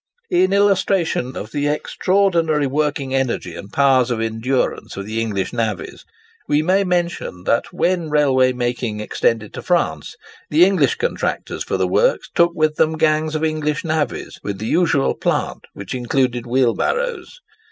In illustration of the extraordinary working energy and powers of endurance of the English navvies, we may mention that when railway making extended to France, the English contractors for the works took with them gangs of English navvies, with the usual plant, which included wheelbarrows.